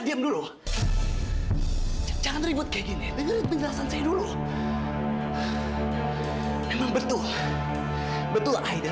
diam dulu jangan ribut kayak gini dengerin pengalasan saya dulu memang betul betul aida